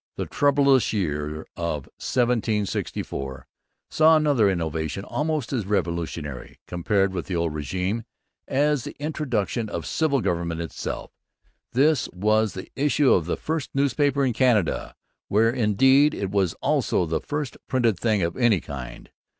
The troublous year of 1764 saw another innovation almost as revolutionary, compared with the old regime, as the introduction of civil government itself. This was the issue of the first newspaper in Canada, where, indeed, it was also the first printed thing of any kind.